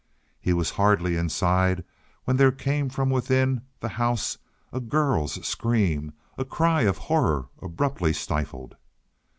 He was hardly inside when there came from within the house a girl's scream a cry of horror, abruptly stifled.